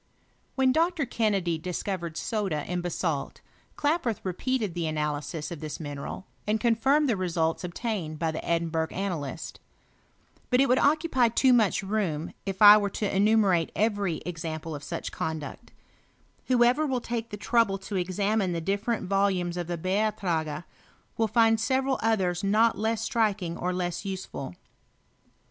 When Dr. Kennedy discovered soda in basalt, Klaproth repeated the analysis of this mineral, and contirmed the results obtained by the Edinburgh analyst. PROGRESS OF ANALYTICAL CHEMISTRY. 211 BlU it would occupy too much room, if I were to miumerate every example of suck conduct. Who ever will take the trouble to examine the different volumes of the Beitrage, will find several others not less striking or less useful.